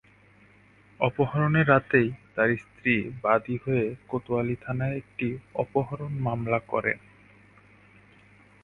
অপহরণের রাতেই তাঁর স্ত্রী বাদী হয়ে কোতোয়ালি থানায় একটি অপহরণ মামলা করেন।